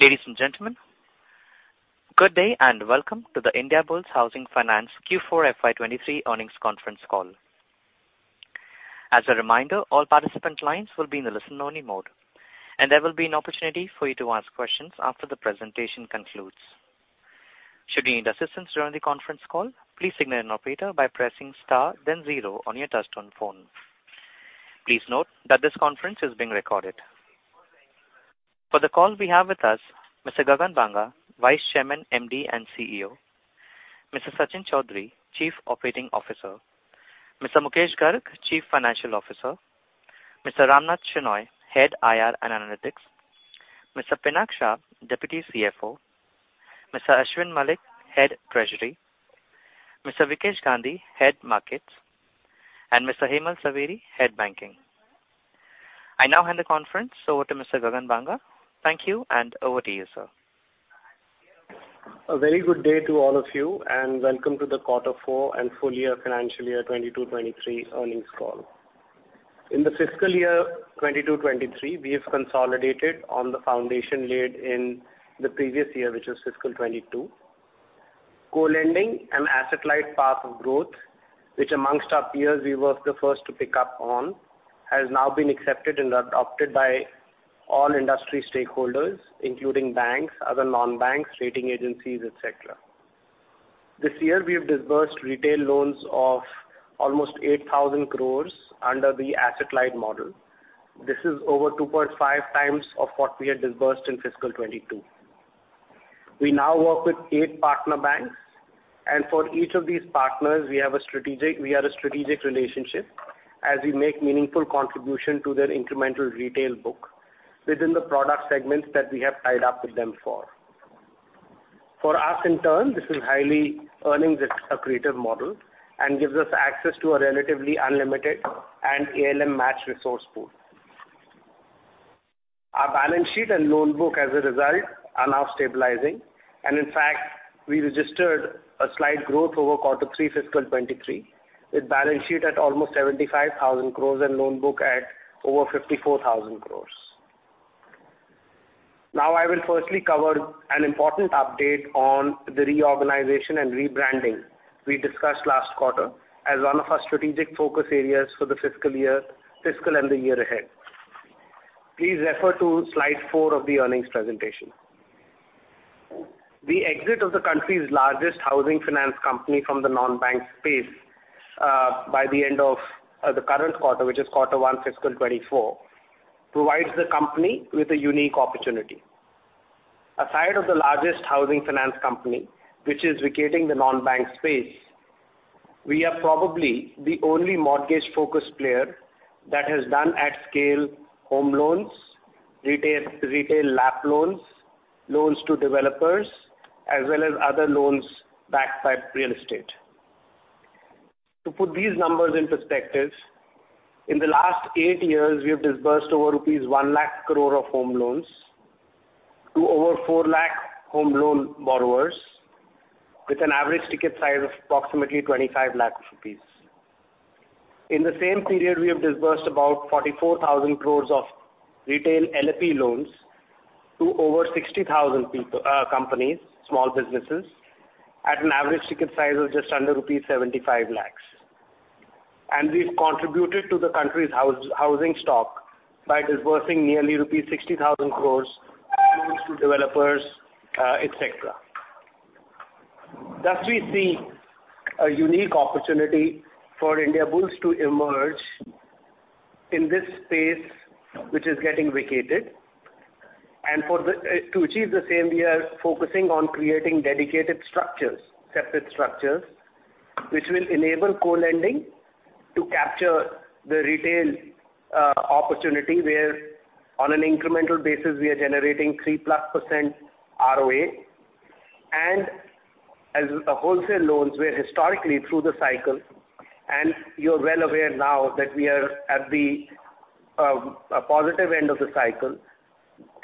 Ladies and gentlemen, good day and welcome to the Indiabulls Housing Finance Q4 FY 2023 earnings conference call. As a reminder, all participant lines will be in the listen-only mode, and there will be an opportunity for you to ask questions after the presentation concludes. Should you need assistance during the conference call, please signal an operator by pressing star then zero on your touch-tone phone. Please note that this conference is being recorded. For the call we have with us Mr. Gagan Banga, Vice Chairman, MD and CEO, Mr. Sachin Chaudhary, Chief Operating Officer, Mr. Mukesh Garg, Chief Financial Officer, Mr. Ramnath Shenoy, Head IR and Analytics, Mr. Pinank Shah, Deputy CFO, Mr. Ashwin Mallick, Head Treasury, Mr. Vikesh Gandhi, Head Markets, and Mr. Hemal Zaveri, Head Banking. I now hand the conference over to Mr. Gagan Banga. Thank you, and over to you, sir. A very good day to all of you, and welcome to the quarter four and full year financial year 2022, 2023 earnings call. In the fiscal year 2022, 2023, we have consolidated on the foundation laid in the previous year, which was fiscal 2022. Co-lending an asset-light path of growth, which amongst our peers we were the first to pick up on, has now been accepted and adopted by all industry stakeholders, including banks, other non-banks, rating agencies, et cetera. This year we have disbursed retail loans of almost 8,000 crore under the asset-light model. This is over 2.5x of what we had disbursed in fiscal 2022. We now work with eight partner banks. For each of these partners we are a strategic relationship as we make meaningful contribution to their incremental retail book within the product segments that we have tied up with them for. For us, in turn, this is highly earnings accretive model and gives us access to a relatively unlimited and ALM matched resource pool. Our balance sheet and loan book as a result are now stabilizing. In fact, we registered a slight growth over quarter three fiscal 2023, with balance sheet at almost 75,000 crore and loan book at over 54,000 crore. I will firstly cover an important update on the reorganization and rebranding we discussed last quarter as one of our strategic focus areas for the fiscal year, fiscal and the year ahead. Please refer to slide four of the earnings presentation. The exit of the country's largest housing finance company from the non-bank space, by the end of the current quarter, which is quarter one fiscal 2024, provides the company with a unique opportunity. Aside of the largest housing finance company, which is vacating the non-bank space, we are probably the only mortgage-focused player that has done at scale home loans, retail LAP loans to developers, as well as other loans backed by real estate. To put these numbers in perspective, in the last eight years, we have disbursed over rupees 1 lakh crore of home loans to over 4 lakh home loan borrowers, with an average ticket size of approximately 25 lakh rupees. In the same period, we have disbursed about 44,000 crore of retail LAP loans to over 60,000 companies, small businesses, at an average ticket size of just under rupees 75 lakh. We've contributed to the country's housing stock by disbursing nearly rupees 60,000 crore loans to developers, et cetera. Thus we see a unique opportunity for Indiabulls to emerge in this space, which is getting vacated. For the to achieve the same, we are focusing on creating dedicated structures, separate structures, which will enable co-lending to capture the retail opportunity where on an incremental basis we are generating 3%+ ROA. As wholesale loans were historically through the cycle, and you're well aware now that we are at the positive end of the cycle.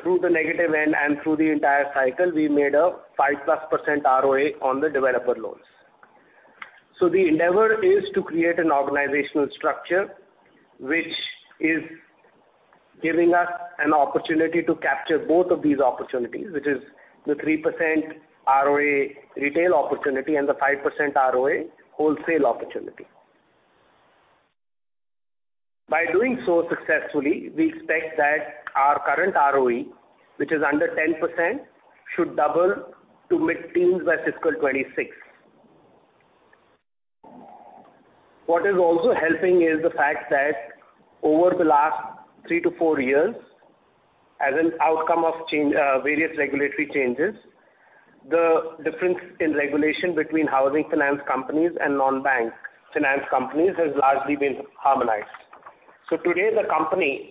Through the negative end and through the entire cycle, we made a 5%+ ROA on the developer loans. The endeavor is to create an organizational structure which is giving us an opportunity to capture both of these opportunities, which is the 3% ROA retail opportunity and the 5% ROA wholesale opportunity. By doing so successfully, we expect that our current ROE, which is under 10%, should double to mid-teens by fiscal 2026. What is also helping is the fact that over the last three to four years, as an outcome of change, various regulatory changes, the difference in regulation between housing finance companies and non-bank finance companies has largely been harmonized. Today, the company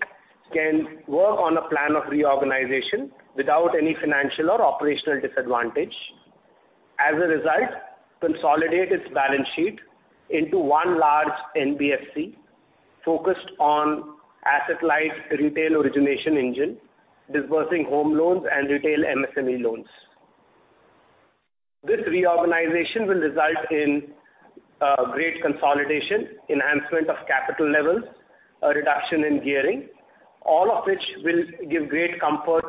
can work on a plan of reorganization without any financial or operational disadvantage. As a result, consolidate its balance sheet into one large NBFC focused on asset-light retail origination engine, disbursing home loans and retail MSME loans. This reorganization will result in great consolidation, enhancement of capital levels, a reduction in gearing, all of which will give great comfort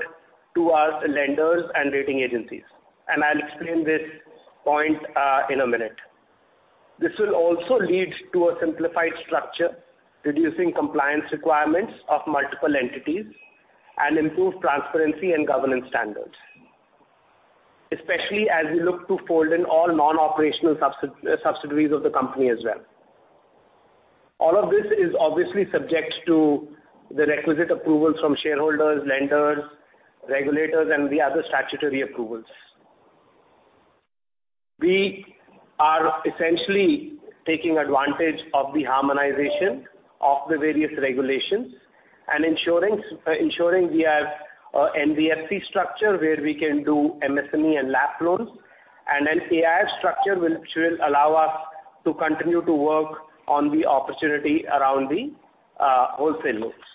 to our lenders and rating agencies. I'll explain this point in a minute. This will also lead to a simplified structure, reducing compliance requirements of multiple entities and improve transparency and governance standards. Especially as we look to fold in all non-operational subsidiaries of the company as well. All of this is obviously subject to the requisite approval from shareholders, lenders, regulators, and the other statutory approvals. We are essentially taking advantage of the harmonization of the various regulations and ensuring we have a NBFC structure where we can do MSME and LAP loans, and then AIF structure should allow us to continue to work on the opportunity around the wholesale loans.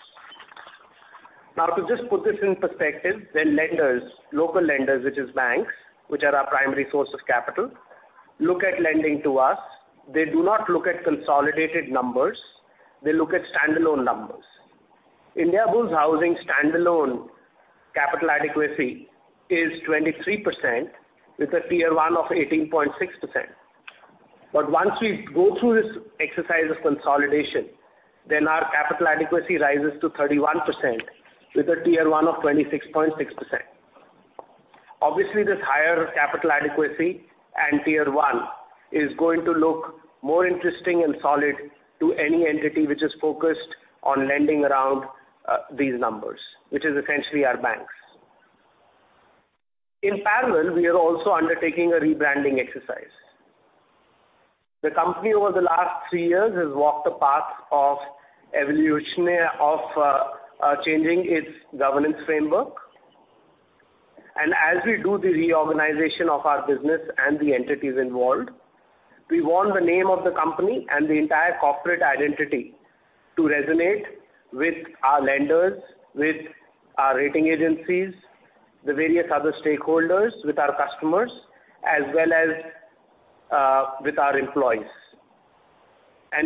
To just put this in perspective, when lenders, local lenders, which is banks, which are our primary source of capital, look at lending to us, they do not look at consolidated numbers, they look at standalone numbers. Indiabulls Housing standalone capital adequacy is 23% with a Tier 1 of 18.6%. Once we go through this exercise of consolidation, then our capital adequacy rises to 31% with a Tier 1 of 26.6%. Obviously, this higher capital adequacy and Tier 1 is going to look more interesting and solid to any entity which is focused on lending around these numbers, which is essentially our banks. In parallel, we are also undertaking a rebranding exercise. The company over the last three years has walked the path of evolution, of changing its governance framework. As we do the reorganization of our business and the entities involved, we want the name of the company and the entire corporate identity to resonate with our lenders, with our rating agencies, the various other stakeholders, with our customers, as well as with our employees.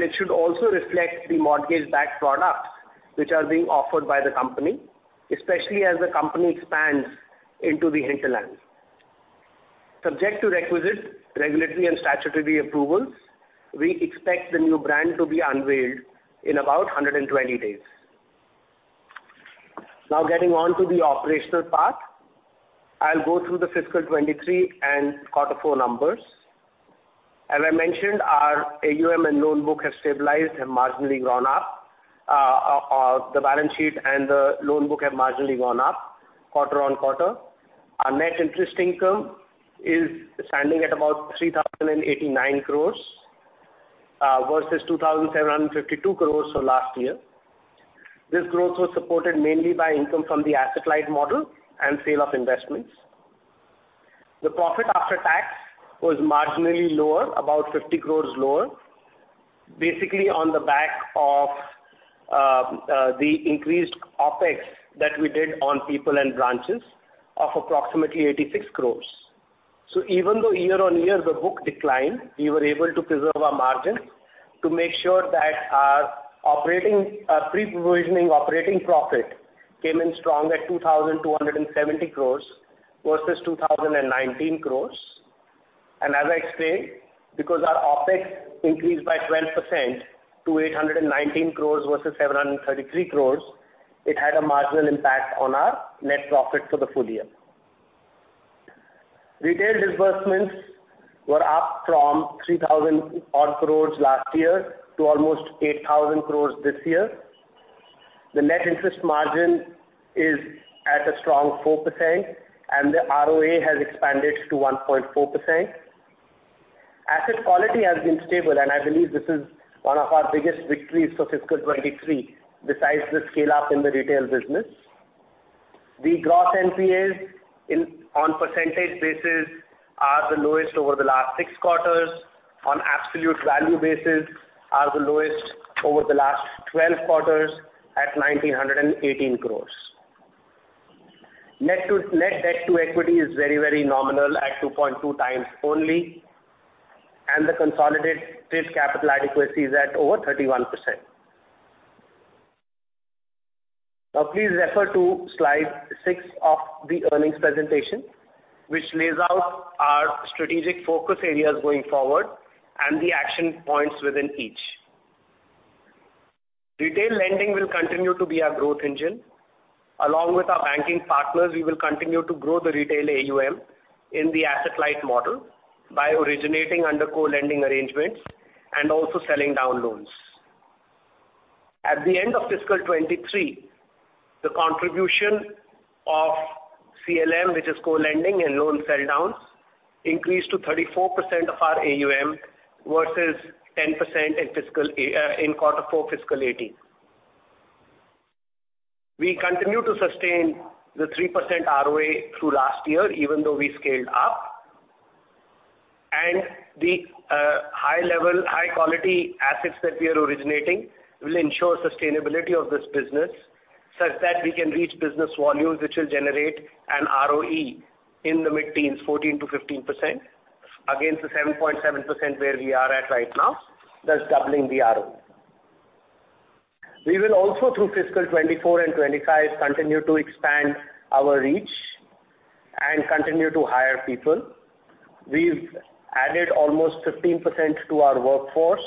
It should also reflect the mortgage-backed products which are being offered by the company, especially as the company expands into the hinterland. Subject to requisite regulatory and statutory approvals, we expect the new brand to be unveiled in about 120 days. Getting on to the operational part. I'll go through the fiscal 2023 and quarter four numbers. As I mentioned, our AUM and loan book have stabilized and marginally gone up. the balance sheet and the loan book have marginally gone up quarter on quarter. Our net interest income is standing at about 3,089 crore, versus 2,752 crore for last year. This growth was supported mainly by income from the asset-light model and sale of investments. The profit after tax was marginally lower, about 50 crore lower, basically on the back of the increased OpEx that we did on people and branches of approximately 86 crore. Even though year-on-year the book declined, we were able to preserve our margins to make sure that our operating pre-provisioning operating profit came in strong at 2,270 crore versus 2,019 crore. As I explained, because our OpEx increased by 12% to 819 crore versus 733 crore, it had a marginal impact on our net profit for the full year. Retail disbursements were up from 3,000 odd crore last year to almost 8,000 crore this year. The net interest margin is at a strong 4%, and the ROA has expanded to 1.4%. Asset quality has been stable, and I believe this is one of our biggest victories for fiscal 2023, besides the scale-up in the retail business. The gross NPAs on percentage basis are the lowest over the last six quarters, on absolute value basis are the lowest over the last 12 quarters at 1,918 crore. Net debt to equity is very nominal at 2.2x only, and the consolidated capital adequacy is at over 31%. Please refer to slide six of the earnings presentation, which lays out our strategic focus areas going forward and the action points within each. Retail lending will continue to be our growth engine. Along with our banking partners, we will continue to grow the retail AUM in the asset-light model by originating under co-lending arrangements and also selling down loans. At the end of fiscal 2023, the contribution of CLM, which is co-lending and loan sell downs, increased to 34% of our AUM versus 10% in fiscal in quarter four fiscal 2018. We continue to sustain the 3% ROA through last year even though we scaled up. The high level, high quality assets that we are originating will ensure sustainability of this business such that we can reach business volumes which will generate an ROE in the mid-teens, 14%-15% against the 7.7% where we are at right now, thus doubling the ROE. We will also through fiscal 2024 and 2025, continue to expand our reach and continue to hire people. We've added almost 15% to our workforce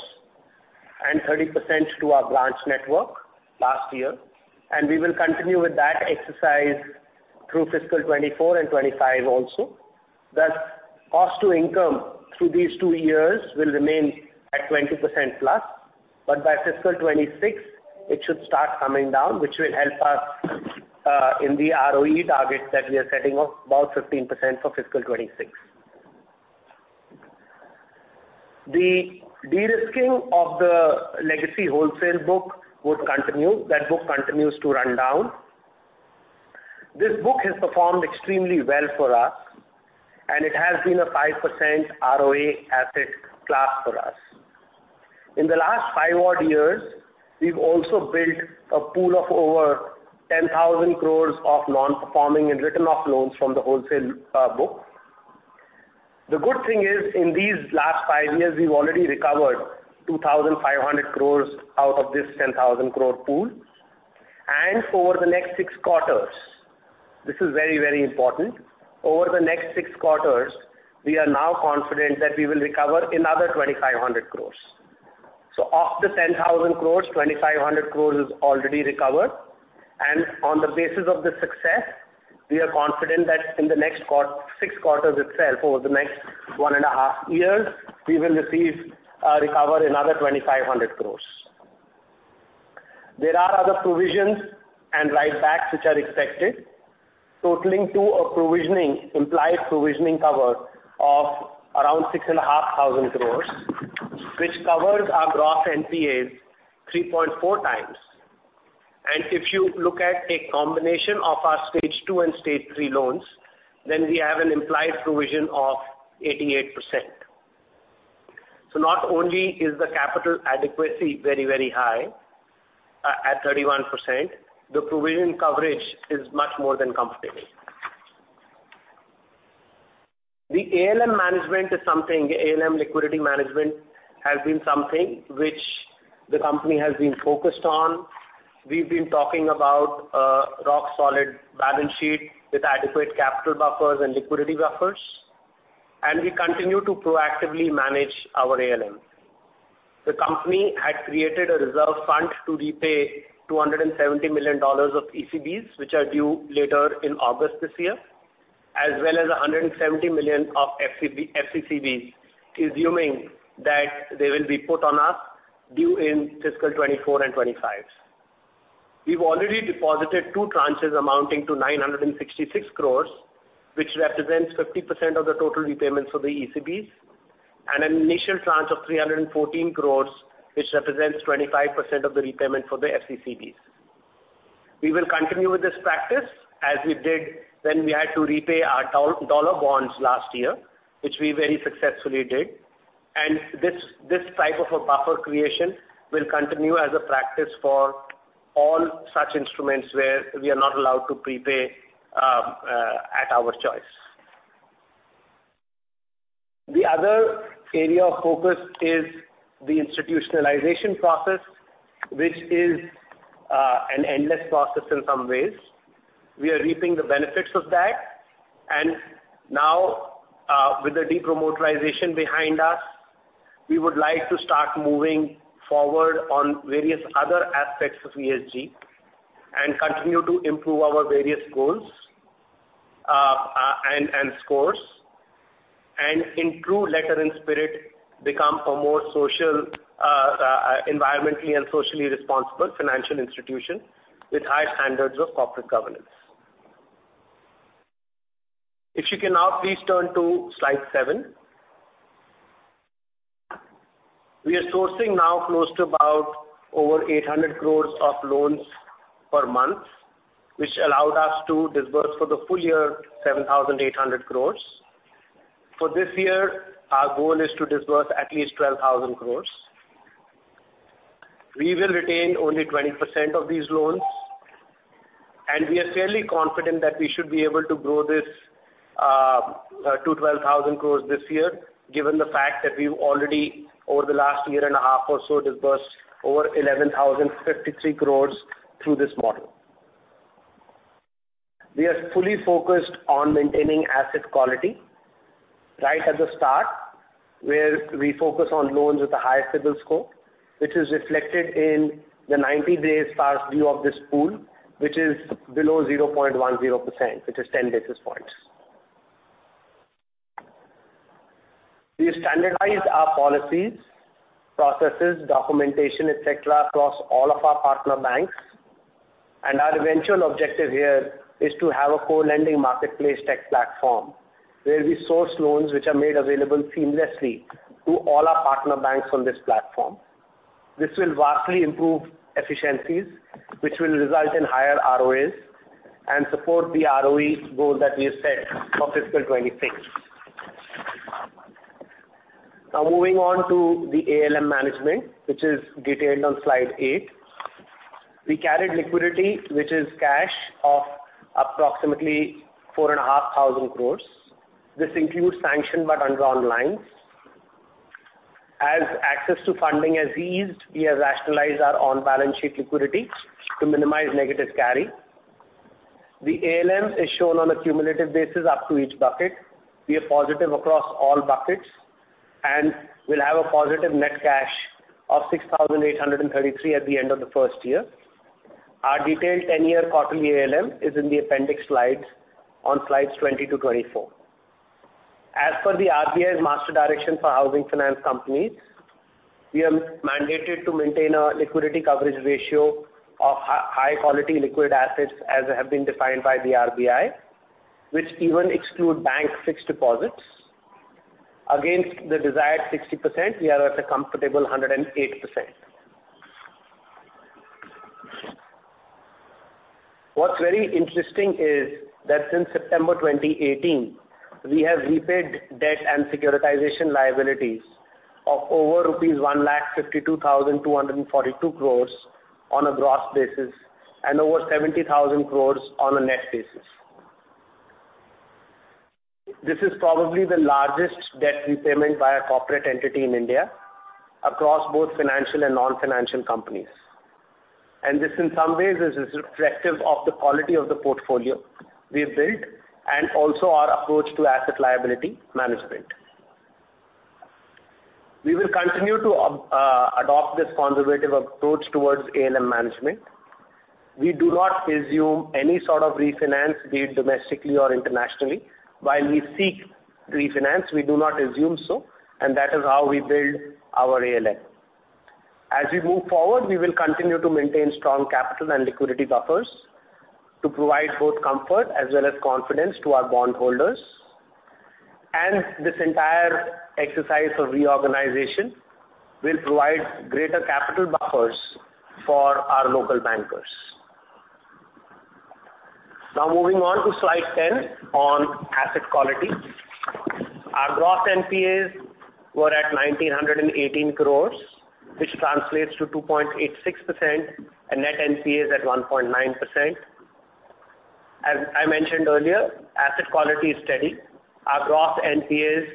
and 30% to our branch network last year, and we will continue with that exercise through fiscal 2024 and 2025 also. Thus, cost to income through these two years will remain at 20%+, but by fiscal 2026 it should start coming down, which will help us in the ROE targets that we are setting of about 15% for fiscal 2026. The de-risking of the legacy wholesale book would continue. That book continues to run down. This book has performed extremely well for us, and it has been a 5% ROA asset class for us. In the last five odd years, we've also built a pool of over 10,000 crore of non-performing and written-off loans from the wholesale book. The good thing is, in these last five years, we've already recovered 2,500 crore out of this 10,000 crore pool. Over the next six quarters, this is very, very important. Over the next six quarters, we are now confident that we will recover another 2,500 crore. Of the 10,000 crore, 2,500 crore is already recovered. On the basis of this success, we are confident that in the next six quarters itself, over the next 1.5 years, we will receive, recover another 2,500 crore. There are other provisions and write-backs which are expected, totaling to a provisioning, implied provisioning cover of around 6,500 crore, which covers our gross NPAs 3.4x. If you look at a combination of our Stage 2 and Stage 3 loans, then we have an implied provision of 88%. Not only is the capital adequacy very, very high, at 31%, the provision coverage is much more than comfortable. The ALM liquidity management has been something which the company has been focused on. We've been talking about a rock-solid balance sheet with adequate capital buffers and liquidity buffers, and we continue to proactively manage our ALM. The company had created a reserve fund to repay $270 million of ECBs, which are due later in August this year, as well as $170 million of FCCBs, assuming that they will be put on us due in fiscal 2024 and 2025. We've already deposited two tranches amounting to 966 crore, which represents 50% of the total repayments for the ECBs, and an initial tranche of 314 crore, which represents 25% of the repayment for the FCCBs. We will continue with this practice as we did when we had to repay our dollar bonds last year, which we very successfully did, and this type of a buffer creation will continue as a practice for all such instruments where we are not allowed to prepay at our choice. The other area of focus is the institutionalization process, which is an endless process in some ways. We are reaping the benefits of that. Now, with the de-promoterisation behind us, we would like to start moving forward on various other aspects of ESG and continue to improve our various goals, and scores and in true letter and spirit, become a more social, environmentally and socially responsible financial institution with high standards of corporate governance. If you can now please turn to slide seven. We are sourcing now close to about over 800 crore of loans per month, which allowed us to disburse for the full year 7,800 crore. For this year, our goal is to disburse at least 12,000 crore. We will retain only 20% of these loans, and we are fairly confident that we should be able to grow this to 12,000 crore this year, given the fact that we've already, over the last year and a half or so, disbursed over 11,053 crore through this model. We are fully focused on maintaining asset quality right at the start, where we focus on loans with a higher CIBIL score, which is reflected in the 90-day past due of this pool, which is below 0.10%, which is 10 basis points. We standardized our policies, processes, documentation, et cetera, across all of our partner banks. Our eventual objective here is to have a co-lending marketplace tech platform where we source loans which are made available seamlessly to all our partner banks on this platform. This will vastly improve efficiencies, which will result in higher ROAs and support the ROE goal that we have set for fiscal 2026. Now moving on to the ALM management, which is detailed on slide eight. We carried liquidity, which is cash of approximately 4,500 crore. This includes sanction but undrawn lines. As access to funding has eased, we have rationalized our on-balance sheet liquidity to minimize negative carry. The ALM is shown on a cumulative basis up to each bucket. We are positive across all buckets, and we'll have a positive net cash of 6,833 at the end of the first year. Our detailed 10-year quarterly ALM is in the appendix slides on slides 20 to 24. As per the RBI's master direction for housing finance companies, we are mandated to maintain a liquidity coverage ratio of high quality liquid assets as have been defined by the RBI, which even exclude bank fixed deposits. Against the desired 60%, we are at a comfortable 108%. What's very interesting is that since September 2018, we have repaid debt and securitization liabilities of over rupees 1,52,242 crore on a gross basis and over 70,000 crore on a net basis. This is probably the largest debt repayment by a corporate entity in India across both financial and non-financial companies. This, in some ways, is reflective of the quality of the portfolio we've built and also our approach to asset liability management. We will continue to adopt this conservative approach towards ALM management. We do not assume any sort of refinance, be it domestically or internationally. While we seek refinance, we do not assume so. That is how we build our ALM. As we move forward, we will continue to maintain strong capital and liquidity buffers to provide both comfort as well as confidence to our bondholders. This entire exercise of reorganization will provide greater capital buffers for our local bankers. Now moving on to slide 10 on asset quality. Our gross NPAs were at 1,918 crore, which translates to 2.86%. Net NPA is at 1.9%. As I mentioned earlier, asset quality is steady. Our gross NPAs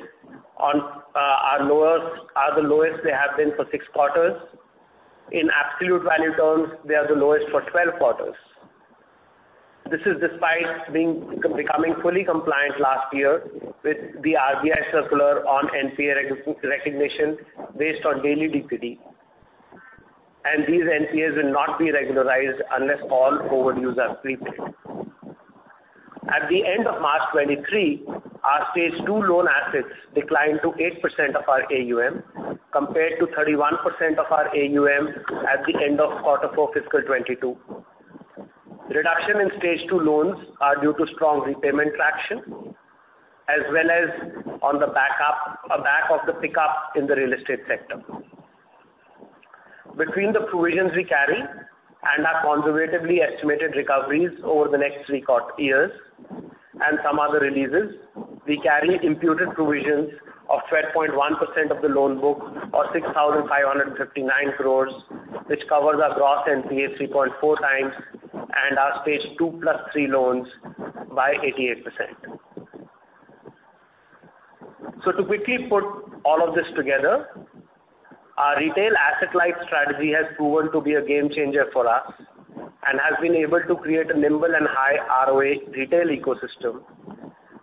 are the lowest they have been for 6 quarters. In absolute value terms, they are the lowest for 12 quarters. This is despite becoming fully compliant last year with the RBI circular on NPA recognition based on daily DPD. These NPAs will not be regularized unless all overdues are prepaid. At the end of March 2023, our Stage 2 loan assets declined to 8% of our AUM compared to 31% of our AUM at the end of quarter four fiscal 2022. Reduction in Stage 2 loans are due to strong repayment traction as well as on the back of the pickup in the real estate sector. Between the provisions we carry and our conservatively estimated recoveries over the next three years and some other releases, we carry imputed provisions of 12.1% of the loan book or 6,559 crore, which covers our gross NPAs 3.4x and our Stage 2 plus Stage 3 loans by 88%. To quickly put all of this together, our retail asset-light strategy has proven to be a game changer for us and has been able to create a nimble and high ROA retail ecosystem.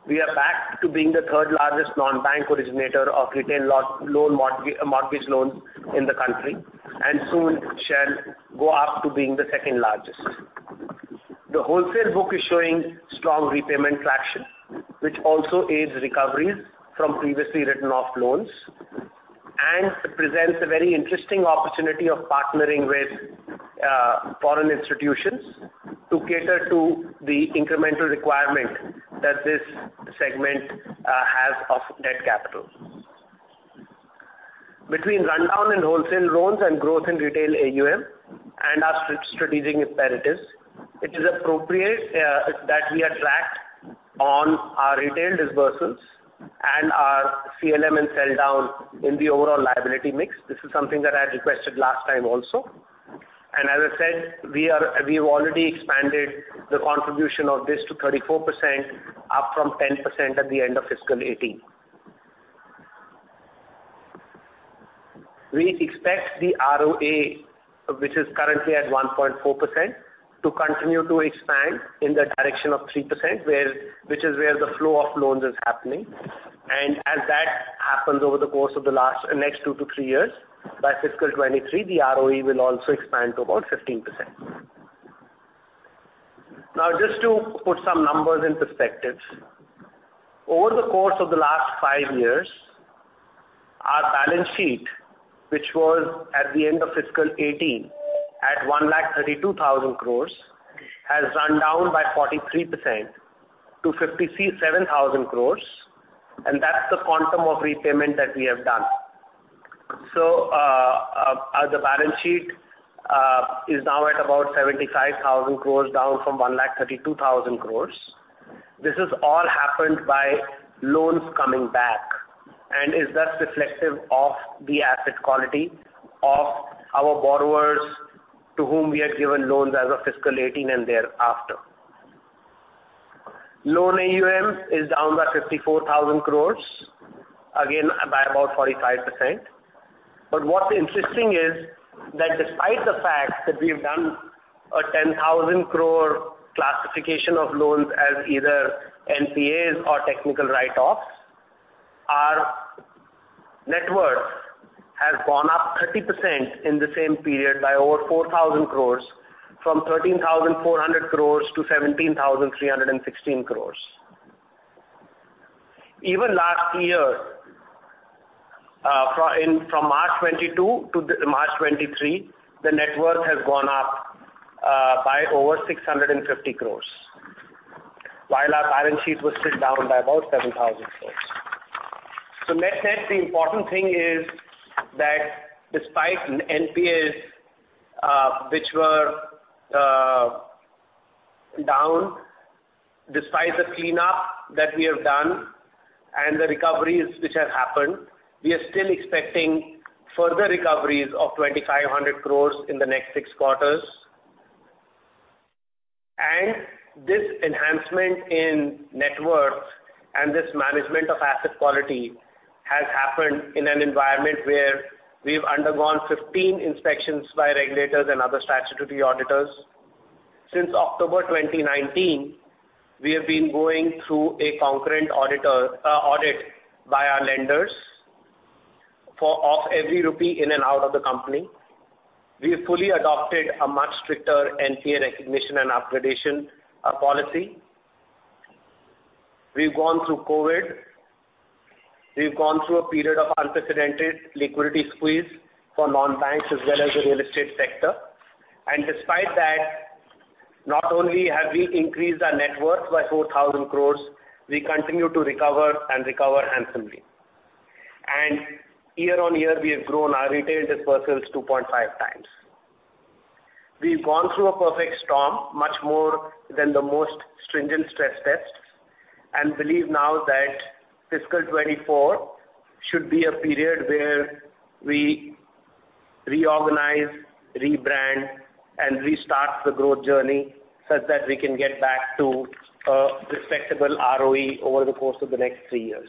We are back to being the third-largest non-bank originator of retail loan mortgage loans in the country and soon shall go up to being the second-largest. The wholesale book is showing strong repayment traction, which also aids recoveries from previously written-off loans and presents a very interesting opportunity of partnering with foreign institutions to cater to the incremental requirement that this segment has of debt capital. Between rundown and wholesale loans and growth in retail AUM and our strategic imperatives, it is appropriate that we are tracked on our retail disbursements and our CLM and sell down in the overall liability mix. This is something that I had requested last time also. As I said, we've already expanded the contribution of this to 34%, up from 10% at the end of fiscal 2018. We expect the ROA, which is currently at 1.4%, to continue to expand in the direction of 3% which is where the flow of loans is happening. As that happens over the course of the next two to three years, by fiscal 2023, the ROE will also expand to about 15%. Just to put some numbers in perspective. Over the course of the last five years, our balance sheet, which was at the end of fiscal 2018 at 132,000 crore, has run down by 43% to 57,000 crore. That's the quantum of repayment that we have done. Our balance sheet is now at about 75,000 crore down from 132,000 crore. This has all happened by loans coming back and is thus reflective of the asset quality of our borrowers to whom we had given loans as of fiscal 2018 and thereafter. Loan AUM is down by 54,000 crore, again by about 45%. What's interesting is that despite the fact that we have done a 10,000 crore classification of loans as either NPAs or technical write-offs, our net worth has gone up 30% in the same period by over 4,000 crore from 13,400 crore -17,316 crore. Even last year, from March 2022 to the March 2023, the net worth has gone up by over 650 crore, while our balance sheet was still down by about 7,000 crore. Net-net, the important thing is that despite NPAs, which were down, despite the cleanup that we have done and the recoveries which have happened, we are still expecting further recoveries of 2,500 crore in the next six quarters. This enhancement in net worth and this management of asset quality has happened in an environment where we've undergone 15 inspections by regulators and other statutory auditors. Since October 2019, we have been going through a concurrent audit by our lenders for of every rupee in and out of the company. We have fully adopted a much stricter NPA recognition and upgradation policy. We've gone through COVID. We've gone through a period of unprecedented liquidity squeeze for non-banks as well as the real estate sector. Despite that, not only have we increased our net worth by 4,000 crore, we continue to recover and recover handsomely. Year-on-year, we have grown our retail dispersals 2.5x. We've gone through a perfect storm much more than the most stringent stress tests. Believe now that fiscal 2024 should be a period where we reorganize, rebrand, and restart the growth journey such that we can get back to a respectable ROE over the course of the next three years.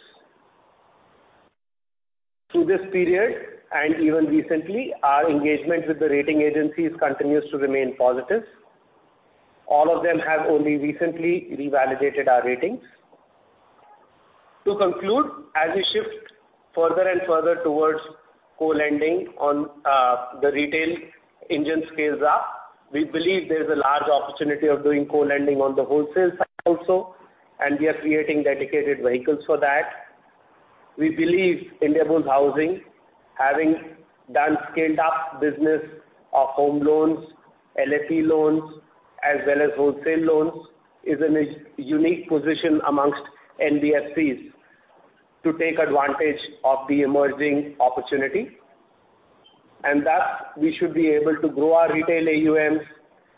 Through this period, and even recently, our engagement with the rating agencies continues to remain positive. All of them have only recently revalidated our ratings. To conclude, as we shift further and further towards co-lending on the retail engine scales up, we believe there's a large opportunity of doing co-lending on the wholesale side also, and we are creating dedicated vehicles for that. We believe Indiabulls Housing, having done scaled-up business of home loans, LAP loans, as well as wholesale loans, is in a unique position amongst NBFCs to take advantage of the emerging opportunity. Thus, we should be able to grow our retail AUMs.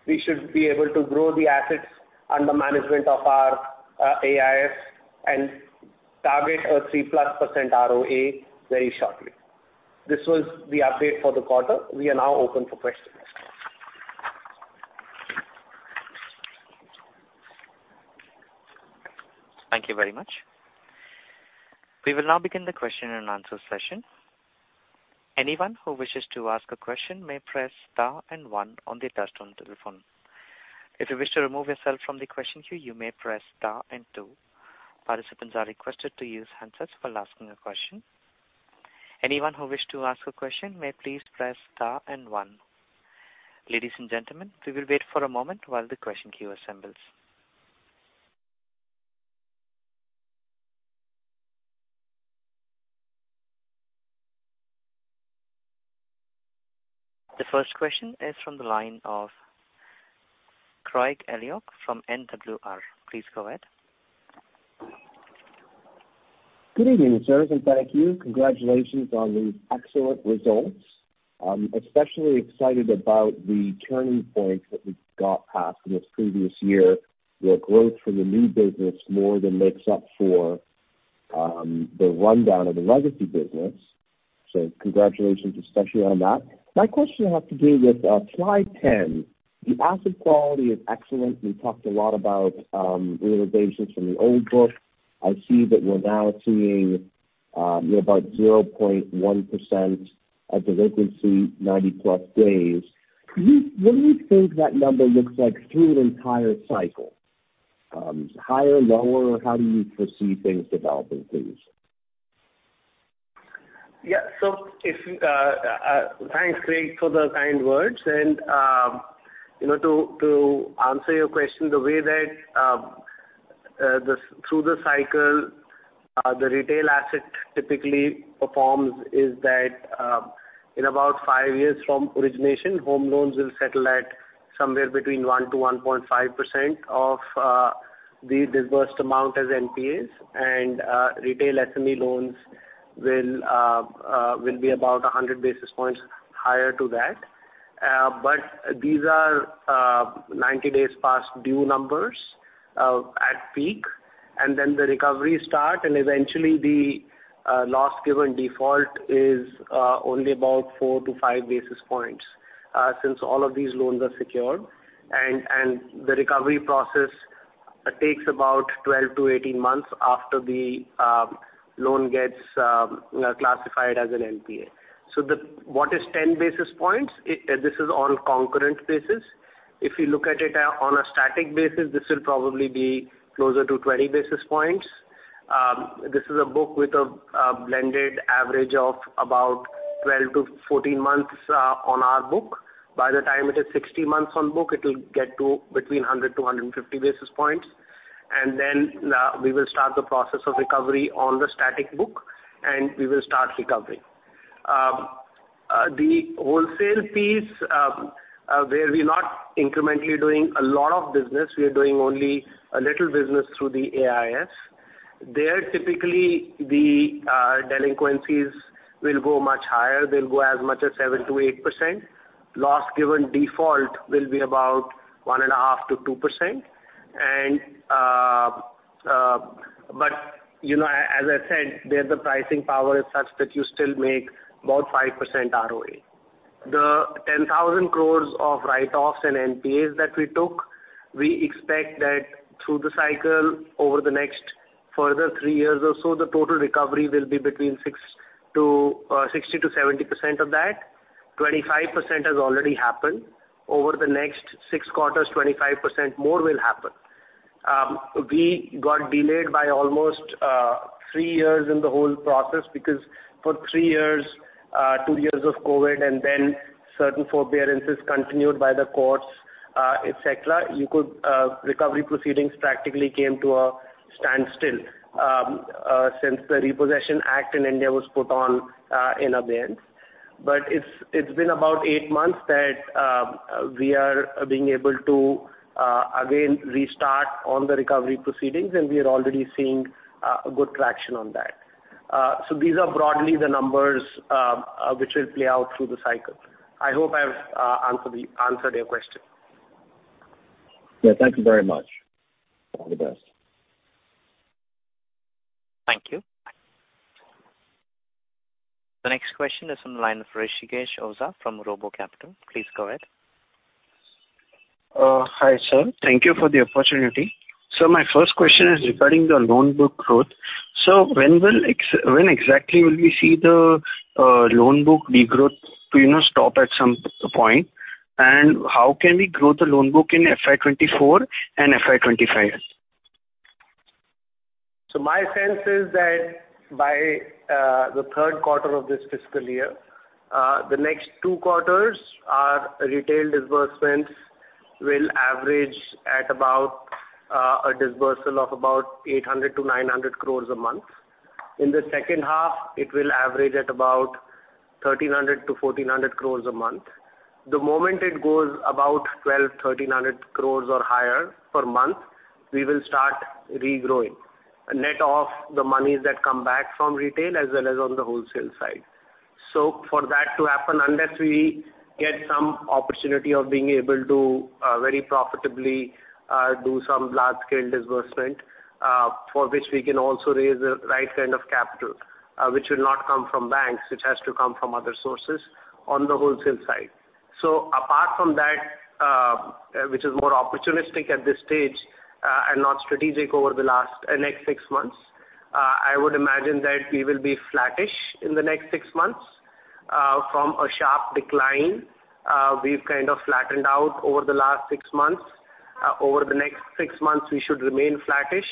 We should be able to grow the assets under management of our AIFs and target a 3%+ ROA very shortly. This was the update for the quarter. We are now open for questions. Thank you very much. We will now begin the question and answer session. Anyone who wishes to ask a question may press star and one on their touch-tone telephone. If you wish to remove yourself from the question queue, you may press star and two. Participants are requested to use handsets while asking a question. Anyone who wish to ask a question may please press star and one. Ladies and gentlemen, we will wait for a moment while the question queue assembles. The first question is from the line of Craig Elliot from NWI. Please go ahead. Good evening, sirs. Thank you. Congratulations on the excellent results. I'm especially excited about the turning point that we've got past in this previous year, where growth from the new business more than makes up for the rundown of the legacy business. Congratulations especially on that. My question has to do with slide 10. The asset quality is excellent. We talked a lot about realizations from the old book. I see that we're now seeing, you know, about 0.1% delinquency 90+ days. What do you think that number looks like through an entire cycle? Higher, lower? How do you foresee things developing please? Yeah. If, thanks, Craig, for the kind words. You know, to answer your question, the way that, through the cycle, the retail asset typically performs is that. In about five years from origination, home loans will settle at somewhere between 1%-1.5% of the disbursed amount as NPAs, and retail SME loans will be about 100 basis points higher to that. These are 90 days past due numbers at peak, and then the recovery start, and eventually the loss given default is only about 4 basis points-5 basis points, since all of these loans are secured, and the recovery process takes about 12-18 months after the loan gets classified as an NPA. What is 10 basis points? This is on concurrent basis. If you look at it on a static basis, this will probably be closer to 20 basis points. This is a book with a blended average of about 12-14 months on our book. By the time it is 60 months on book, it will get to between 100 basis points-150 basis points. We will start the process of recovery on the static book, and we will start recovering. The wholesale piece, where we're not incrementally doing a lot of business, we are doing only a little business through the AIF. There, typically the delinquencies will go much higher. They'll go as much as 7%-8%. Loss given default will be about 1.5%-2%. As I said, there the pricing power is such that you still make about 5% ROE. The 10,000 crore of write-offs and NPAs that we took, we expect that through the cycle over the next further three years or so, the total recovery will be between 60%-70% of that. 25% has already happened. Over the next six quarters, 25% more will happen. We got delayed by almost three years in the whole process because for three years, two years of COVID and then certain forbearances continued by the courts, et cetera, you could, recovery proceedings practically came to a standstill since the SARFAESI Act in India was put on in abeyance. It's been about eight months that we are being able to again restart on the recovery proceedings, and we are already seeing good traction on that. These are broadly the numbers which will play out through the cycle. I hope I've answered your question. Yeah, thank you very much. All the best. Thank you. The next question is on the line of Rishikesh Oza from RoboCapital. Please go ahead. Hi, sir. Thank you for the opportunity. My first question is regarding the loan book growth. When exactly will we see the loan book degrowth, you know, stop at some point? How can we grow the loan book in FY 2024 and FY 2025? My sense is that by the third quarter of this fiscal year, the next two quarters, our retail disbursements will average at about a dispersal of about 800 crore-900 crore a month. In the second half, it will average at about 1,300 crore-1,400 crore a month. The moment it goes about 1,200 crore-1,300 crore or higher per month, we will start regrowing. Net of the monies that come back from retail as well as on the wholesale side. For that to happen, unless we get some opportunity of being able to very profitably do some large-scale disbursement, for which we can also raise the right kind of capital, which will not come from banks, which has to come from other sources on the wholesale side. Apart from that, which is more opportunistic at this stage, and not strategic over the last, next six months, I would imagine that we will be flattish in the next six months, from a sharp decline. We've kind of flattened out over the last six months. Over the next six months, we should remain flattish.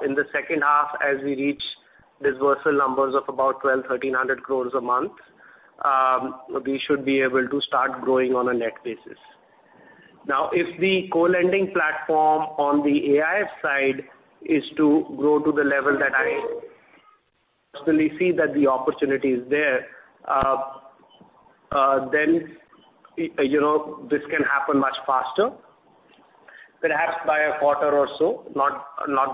In the second half, as we reach dispersal numbers of about 1,200 crore-1,300 crore a month, we should be able to start growing on a net basis. Now, if the co-lending platform on the AIF side is to grow to the level that I personally see that the opportunity is there, then, you know, this can happen much faster, perhaps by a quarter or so, not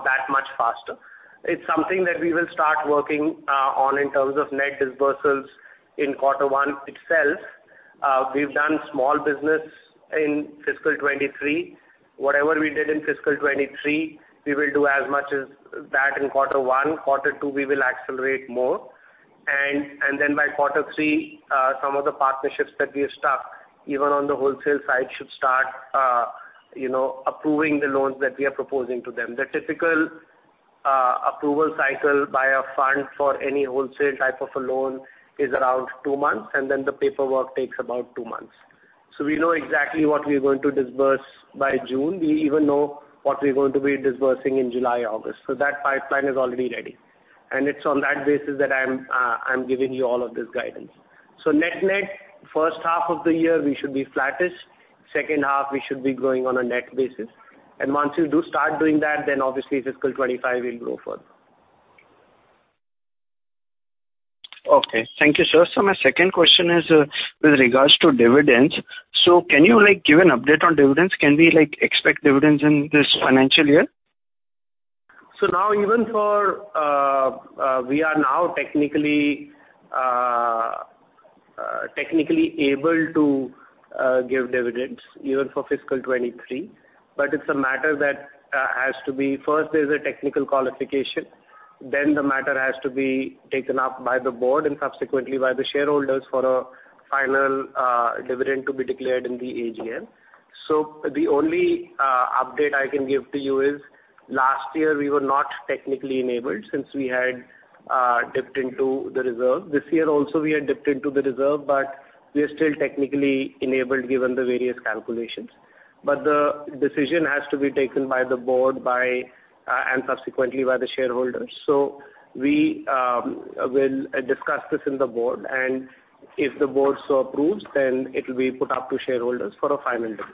that much faster. It's something that we will start working on in terms of net disbursements in quarter one itself. We've done small business in fiscal 2023. Whatever we did in fiscal 2023, we will do as much as that in quarter one. Quarter two, we will accelerate more. By quarter three, some of the partnerships that we have struck, even on the wholesale side, should start, you know, approving the loans that we are proposing to them. The typical approval cycle by a fund for any wholesale type of a loan is around two months, and then the paperwork takes about two months. We know exactly what we're going to disburse by June. We even know what we're going to be disbursing in July, August. That pipeline is already ready. It's on that basis that I'm giving you all of this guidance. Net-net, first half of the year, we should be flattish. Second half, we should be growing on a net basis. Once you do start doing that, obviously fiscal 2025 will grow further. Okay. Thank you, sir. My second question is, with regards to dividends. Can you, like, give an update on dividends? Can we, like, expect dividends in this financial year? Now even for, we are now technically able to give dividends even for fiscal 2023. It's a matter that has to be. First there's a technical qualification, then the matter has to be taken up by the board and subsequently by the shareholders for a final dividend to be declared in the AGM. The only update I can give to you is last year we were not technically enabled since we had dipped into the reserve. This year also, we had dipped into the reserve, but we are still technically enabled given the various calculations. The decision has to be taken by the board by and subsequently by the shareholders. We will discuss this in the Board, and if the Board so approves, then it will be put up to shareholders for a final dividend.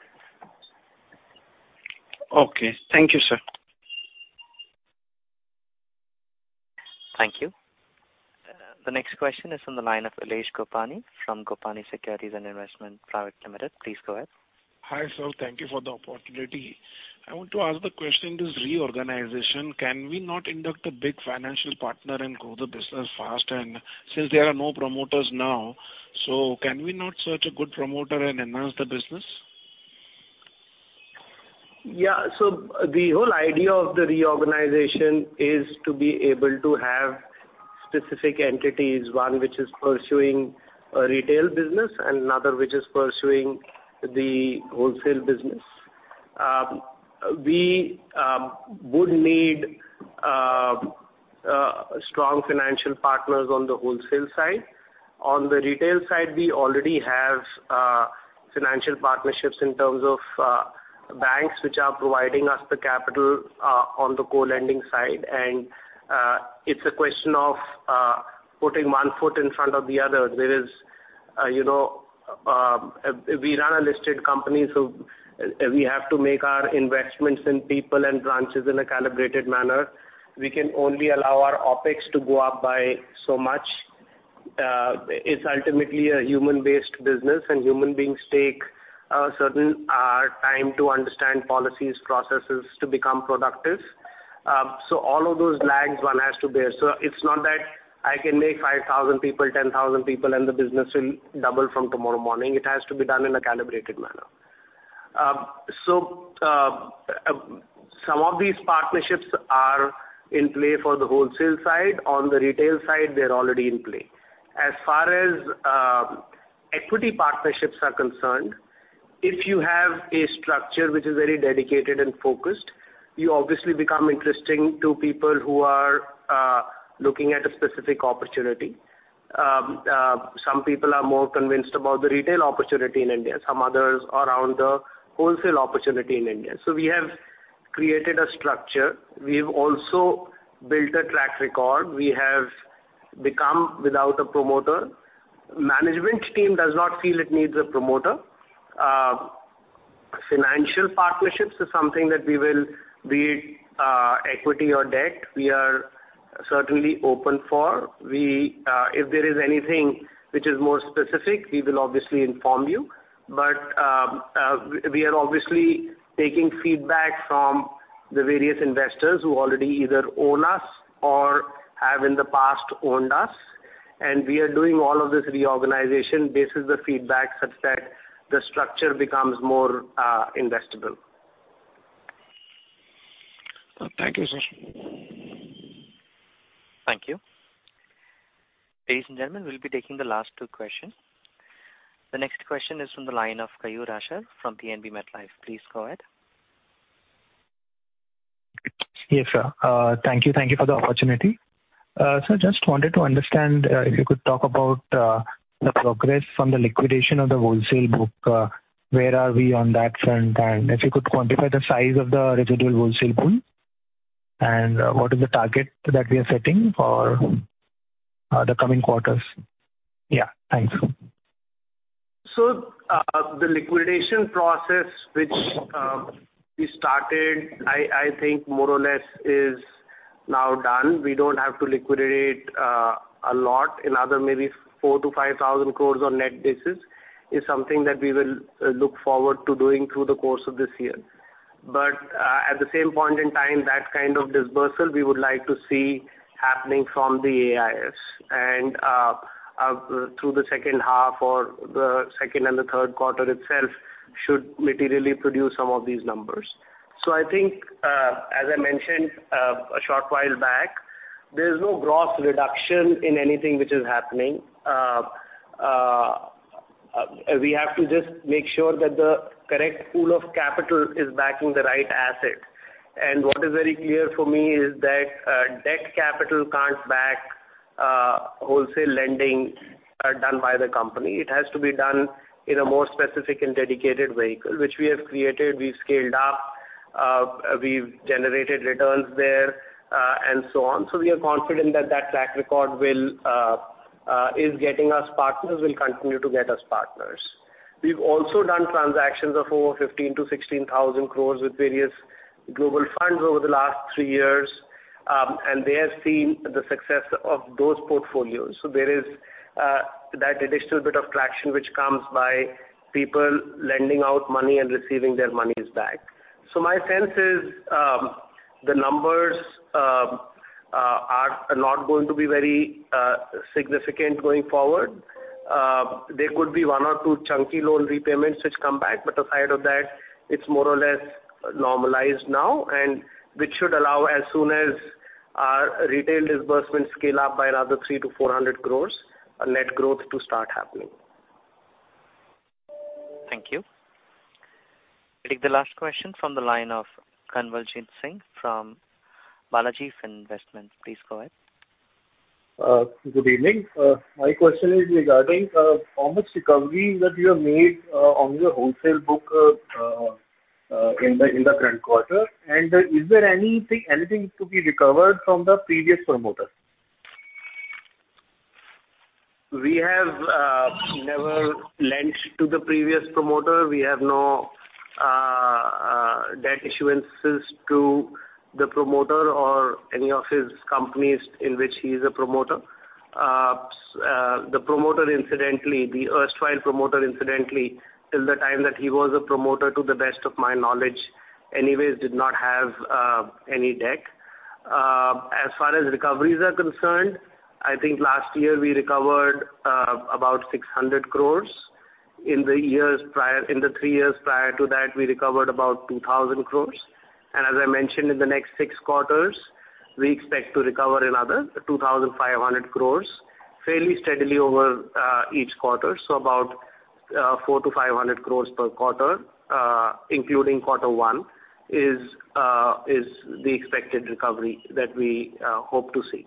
Okay. Thank you, sir. Thank you. The next question is from the line of Elesh Gopani from Gopani Securities & Investments Pvt Ltd. Please go ahead. Hi, sir. Thank you for the opportunity. I want to ask the question, this reorganization, can we not induct a big financial partner and grow the business fast? Since there are no promoters now, can we not search a good promoter and enhance the business? The whole idea of the reorganization is to be able to have specific entities, one which is pursuing a retail business and another which is pursuing the wholesale business. We would need strong financial partners on the wholesale side. On the retail side, we already have financial partnerships in terms of banks which are providing us the capital on the co-lending side. It's a question of putting one foot in front of the other. There is, you know, we run a listed company, so we have to make our investments in people and branches in a calibrated manner. We can only allow our OpEx to go up by so much. It's ultimately a human-based business, human beings take a certain time to understand policies, processes to become productive. All of those lags one has to bear. It's not that I can make 5,000 people, 10,000 people, and the business will double from tomorrow morning. It has to be done in a calibrated manner. Some of these partnerships are in play for the wholesale side. On the retail side, they're already in play. As far as equity partnerships are concerned, if you have a structure which is very dedicated and focused, you obviously become interesting to people who are looking at a specific opportunity. Some people are more convinced about the retail opportunity in India, some others around the wholesale opportunity in India. We have created a structure. We've also built a track record. We have become without a promoter. Management team does not feel it needs a promoter. Financial partnerships is something that we will be, equity or debt, we are certainly open for. We, if there is anything which is more specific, we will obviously inform you. We are obviously taking feedback from the various investors who already either own us or have in the past owned us, and we are doing all of this reorganization based on the feedback such that the structure becomes more investable. Thank you, sir. Thank you. Ladies and gentlemen, we'll be taking the last two questions. The next question is from the line of Kayur Asher from PNB MetLife. Please go ahead. Yes, sir. Thank you. Thank you for the opportunity. Just wanted to understand, if you could talk about, the progress from the liquidation of the wholesale book. Where are we on that front? If you could quantify the size of the residual wholesale pool, and what is the target that we are setting for, the coming quarters? Yeah. Thanks. The liquidation process which we started, I think more or less is now done. We don't have to liquidate a lot. Another maybe 4,000 crore-5,000 crore on net basis is something that we will look forward to doing through the course of this year. At the same point in time, that kind of dispersal we would like to see happening from the AIF and through the second half or the second and third quarter itself should materially produce some of these numbers. As I mentioned a short while back, there's no gross reduction in anything which is happening. We have to just make sure that the correct pool of capital is backing the right asset. What is very clear for me is that debt capital can't back wholesale lending done by the company. It has to be done in a more specific and dedicated vehicle, which we have created. We've scaled up. We've generated returns there and so on. We are confident that that track record will is getting us partners, will continue to get us partners. We've also done transactions of over 15,000 crore-16,000 crore with various global funds over the last three years, and they have seen the success of those portfolios. There is, that additional bit of traction which comes by people lending out money and receiving their monies back. My sense is, the numbers are not going to be very significant going forward. There could be one or two chunky loan repayments which come back, but aside of that, it's more or less normalized now and which should allow as soon as our retail disbursements scale up by another 300 crore-400 crore, net growth to start happening. Thank you. I'll take the last question from the line of Kanwaljit Singh from Balaji Investments. Please go ahead. Good evening. My question is regarding how much recovery that you have made on your wholesale book in the current quarter. Is there anything to be recovered from the previous promoter? We have never lent to the previous promoter. We have no debt issuances to the promoter or any of his companies in which he is a promoter. The promoter, incidentally, the erstwhile promoter, incidentally, till the time that he was a promoter, to the best of my knowledge, anyways, did not have any debt. As far as recoveries are concerned, I think last year we recovered about 600 crore. In the years prior, in the three years prior to that, we recovered about 2,000 crore. As I mentioned, in the next six quarters, we expect to recover another 2,500 crore fairly steadily over each quarter. So about 400 crore-500 crore per quarter, including quarter one, is the expected recovery that we hope to see.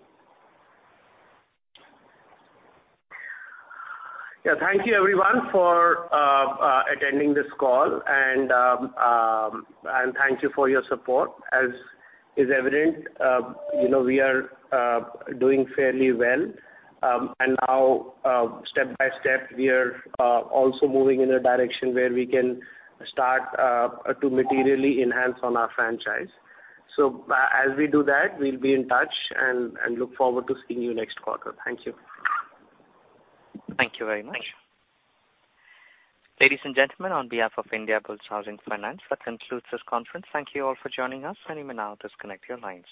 Yeah. Thank you everyone for attending this call and thank you for your support. As is evident, you know, we are doing fairly well. Now, step by step, we are also moving in a direction where we can start to materially enhance on our franchise. As we do that, we'll be in touch and look forward to seeing you next quarter. Thank you. Thank you very much. Ladies and gentlemen, on behalf of Indiabulls Housing Finance, that concludes this conference. Thank you all for joining us. You may now disconnect your lines.